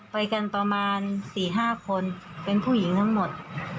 ไปกันประมาณ๔๕คนเป็นผู้หญิงทั้งหมด